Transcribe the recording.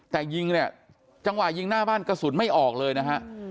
แต่ยิงเนี่ยจังหวะยิงหน้าบ้านกระสุนไม่ออกเลยนะฮะ